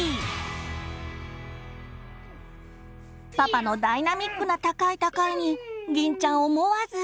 パパのダイナミックな高い高いにぎんちゃん思わず！